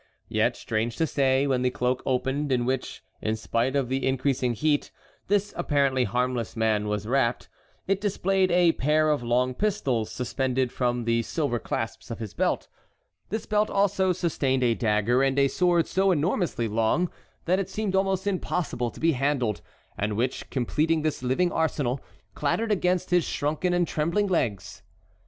Yet, strange to say, when the cloak opened in which, in spite of the increasing heat, this apparently harmless man was wrapped, it displayed a pair of long pistols suspended from the silver clasps of his belt. This belt also sustained a dagger and a sword so enormously long that it seemed almost impossible to be handled, and which, completing this living arsenal, clattered against his shrunken and trembling legs.